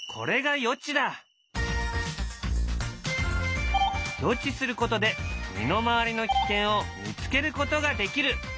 予知することで身の回りの危険を見つけることができる。